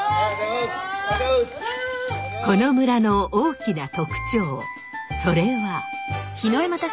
この村の大きな特徴それは。